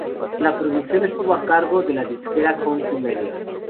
La producción estuvo a cargo de la disquera Century Media.